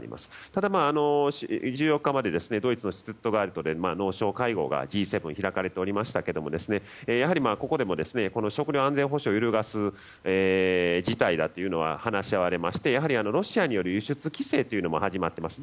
ただ、１４日までドイツのシュツットガルトで農相会合が開かれていましたけどここでも食糧安全保障を揺るがす事態だというのが話し合われましてやはりロシアによる輸出規制も始まっています。